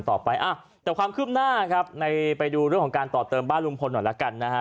ต่อไปแต่ความคืบหน้าครับไปดูเรื่องของการต่อเติมบ้านลุงพลหน่อยแล้วกันนะฮะ